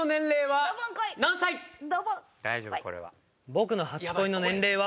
僕の初恋の年齢は。